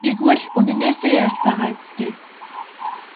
Тэгвэл үнэнээсээ ярьж байгаа юм биз дээ?